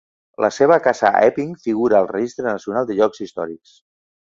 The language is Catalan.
La seva casa a Epping figura al Registre Nacional de Llocs Històrics.